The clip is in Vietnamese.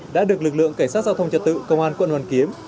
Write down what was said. đã được lực lượng cảnh sát giao thông trật tự công an quận hoàn kiếm